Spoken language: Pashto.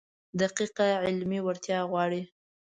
دقیقه علمي وړتیا غواړي.